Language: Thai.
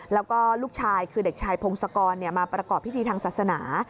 แล้วก็ลูกชายคือผงศกรมาประกอบพิธีทางสาสนา